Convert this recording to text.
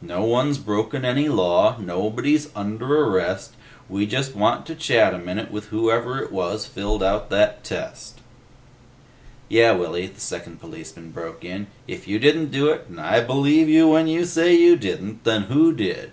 "No one's broken any law. Nobody's under arrest. We just want to chat a minute with whoever it was filled out that test." "Yeh, Willy," the second policeman broke in, "if you didn't do it, and I believe you when you say you didn't, then who did?"